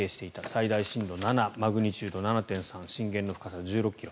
最大震度７マグニチュード７．３震源の深さは１６ｋｍ。